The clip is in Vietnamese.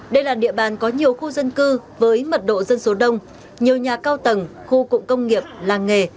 đây là địa bàn có nhiều khu dân cư với mật độ dân số đông nhiều nhà cao tầng khu cụm công nghiệp làng nghề